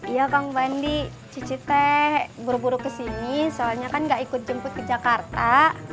iya kang bandi cicit teh buru buru kesini soalnya kan gak ikut jemput ke jakarta